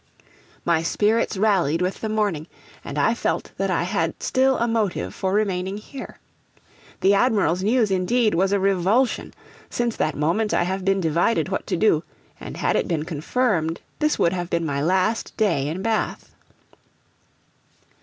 My spirits rallied with the morning, and I felt that I had still a motive for remaining here. The Admiral's news, indeed, was a revulsion; since that moment I have been divided what to do, and had it been confirmed, this would have been my last day in Bath.'